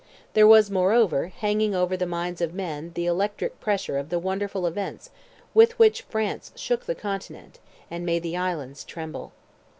There was, moreover, hanging over the minds of men the electric pressure of the wonderful events with which France shook the Continent, and made the Islands tremble.